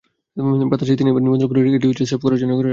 ব্রাদার্সে তিনি এবার নিবন্ধন করলেও এটি স্রেফ করার জন্যই করে রাখা।